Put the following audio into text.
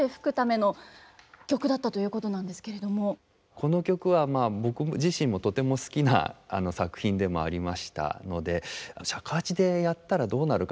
この曲は僕自身もとても好きな作品でもありましたので尺八でやったらどうなるかな。